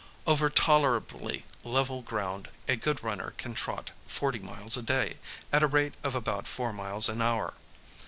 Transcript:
Over tolerably level ground a good runner can trot forty miles a day, at a rate of about four miles an hour.